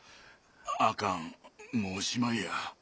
あかんもうしまいや。